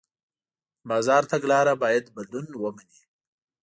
د بازار تګلاره باید بدلون ومني.